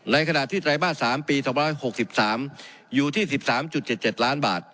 ในขณะที่ไตรมาส๓ปี๒๖๓อยู่ที่๑๓๗๗ล้านบาท